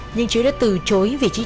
nhưng chứa đã từ chối vị trí chủ tịch